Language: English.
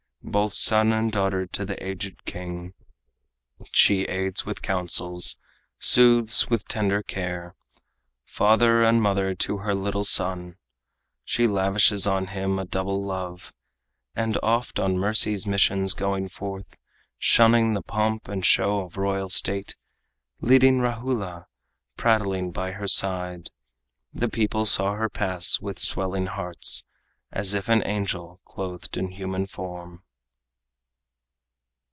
Both son and daughter to the aged king, She aids with counsels, soothes with tender care. Father and mother to her little son, She lavishes on him a double love. And oft on mercy's missions going forth, Shunning the pomp and show of royal state, Leading Rahula, prattling by her side, The people saw her pass with swelling hearts, As if an angel clothed in human form.